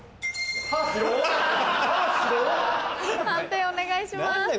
判定お願いします。